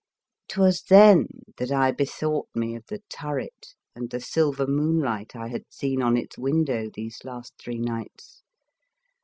'Twas then that I bethought me of the turret and the silver moonlight I had seen on its window these last three nights.